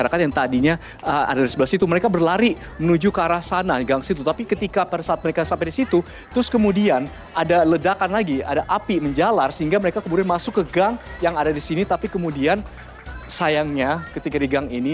kita tersegur sama dengan kebaikan